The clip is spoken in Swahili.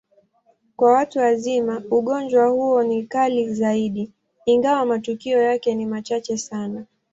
Kwa watu wazima, ugonjwa huo ni kali zaidi, ingawa matukio yake ni machache sana.